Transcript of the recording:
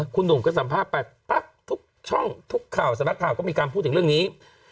คุณหนุ่มก็สัมภาษณ์ไปปั๊บทุกช่องทุกข่าวสำนักข่าวก็มีการพูดถึงเรื่องนี้